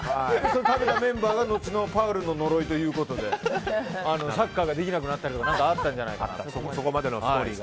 食べたメンバーがのちのパウルの呪いということでサッカーができなくなったとかあったんじゃないかと。